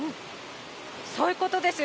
そういうことです。